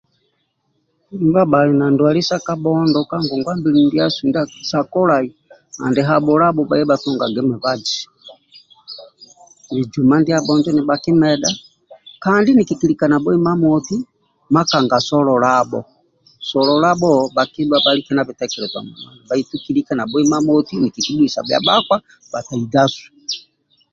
Ndibhali na ndwali sa kabhondo ka ngogwa mbili ndiasu sa kolai andi habhulabho bhaye bhatungage mibazi bijuma ndiabho injo ni bhakimedha kandi nikikilika nabho imamoti makanga sololabho sololabho bhakidwa bhalike nabitekelejo beitu kilike mamoti nikikibhuisa bhia bhakpa bhataidasu